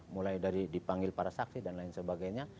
mulai dari dipanggil para saksi dan lain sebagainya